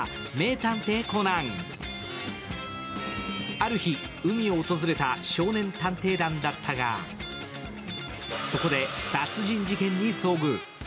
ある日、海を訪れた少年探偵団だったが、そこで殺人事件に遭遇。